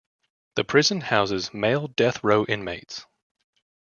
The prison houses male death row inmates.